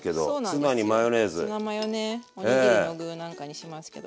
ツナマヨねおにぎりの具なんかにしますけど。